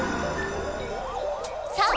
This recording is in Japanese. さあ！